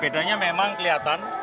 bedanya memang kelihatan